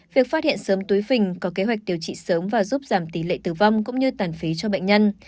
việc phát hiện sớm túi phình có kế hoạch điều trị sớm và giúp giảm tỷ lệ tử vong cũng như tàn phí cho bệnh nhân